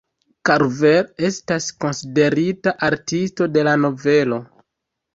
Karver estas konsiderita artisto de la novelo.